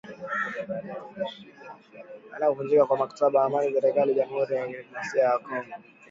Baada ya kuvunjika kwa mkataba wa amani na serikali ya Jamhuri ya kidemokrasia ya Kongo.